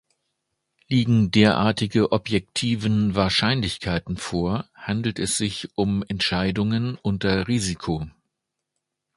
Liegen derartige objektiven Wahrscheinlichkeiten vor, handelt es sich um Entscheidungen unter Risiko.